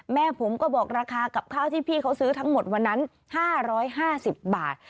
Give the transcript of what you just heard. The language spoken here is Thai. แม่ผมก็บอกราคากับข้าวที่พี่เขาซื้อทั้งหมดวันนั้นห้าร้อยห้าสิบบาท